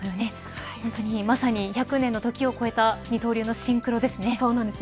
ほんとに、まさに１００年の時を超えた二刀流のそうなんです。